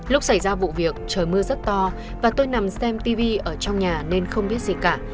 lúc xảy ra vụ việc trời mưa rất to và tôi nằm xem tv ở trong nhà nên không biết gì cả